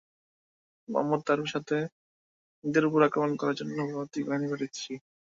মুহাম্মাদ আর তাঁর সাথিদের উপর আক্রমণ করার জন্য পদাতিক বাহিনী পাঠাচ্ছি।